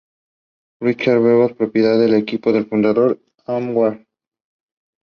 General Holzappel intervened too late with his Croatian musketeers.